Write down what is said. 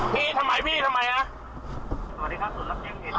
พี่ทำไมพี่ทำไมน่ะ